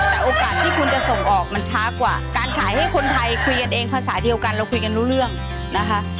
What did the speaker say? แต่โอกาสที่คุณจะส่งออกมันช้ากว่าการขายให้คนไทยคุยกันเองภาษาเดียวกันเราคุยกันรู้เรื่องนะคะ